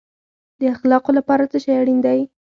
د اخلاقو لپاره څه شی اړین دی؟